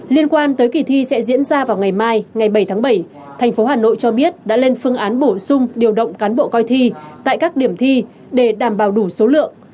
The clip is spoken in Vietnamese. liên quan tới kỳ thi sẽ diễn ra vào ngày mai ngày bảy tháng bảy thành phố hà nội cho biết đã lên phương án bổ sung điều động cán bộ coi thi tại các điểm thi để đảm bảo đủ số lượng